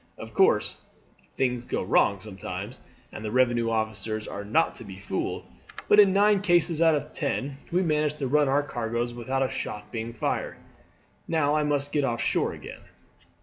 Of course things go wrong sometimes and the revenue officers are not to be fooled, but in nine cases out of ten we manage to run our cargoes without a shot being fired. Now I must get off shore again."